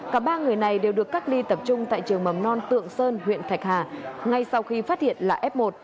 cả ba người này đều được cách ly tập trung tại trường mầm non tượng sơn huyện thạch hà ngay sau khi phát hiện là f một